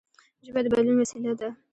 ژبه د بدلون وسیله ده.